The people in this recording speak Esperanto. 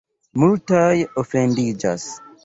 Multaj ofendiĝas.